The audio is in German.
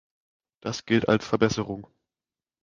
Das gilt als Verbesserung.